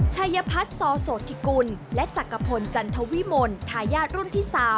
ชัยพัฒน์ซอโสธิกุลและจักรพลจันทวิมลทายาทรุ่นที่๓